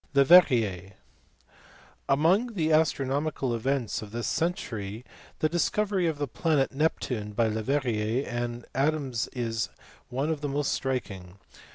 Leverriert. Among the astronomical events of this century the discovery of the planet Neptune by Leverrier and Adams is one of the most striking.